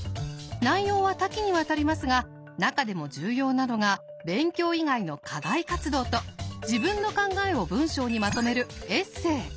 内容は多岐にわたりますが中でも重要なのが勉強以外の課外活動と自分の考えを文章にまとめるエッセー。